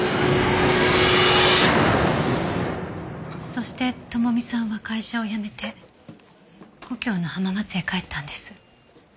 そして朋美さんは会社を辞めて故郷の浜松へ帰ったんです。